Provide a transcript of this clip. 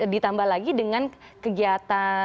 ditambah lagi dengan kegiatan negatif kita yang berubah